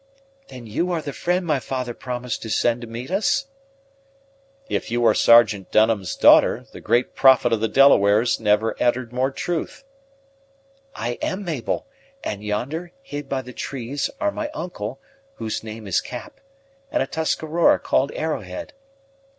"Then you are the friend my father promised to send to meet us?" "If you are Sergeant Dunham's daughter, the great Prophet of the Delawares never uttered more truth." "I am Mabel; and yonder, hid by the trees, are my uncle, whose name is Cap, and a Tuscarora called Arrowhead.